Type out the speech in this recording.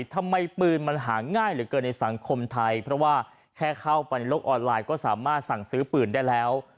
ทำไมปืนมันหาง่ายเหลือเกินในสังคมไทยเพราะว่าแค่เข้าไปในโลกออนไลน์ก็สามารถสั่งซื้อปืนได้แล้ว